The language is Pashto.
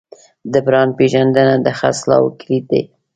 د برانډ پیژندنه د خرڅلاو کلید دی.